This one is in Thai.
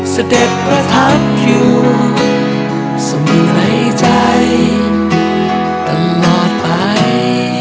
เสด็จประทับอยู่สุขในใจตลอดไป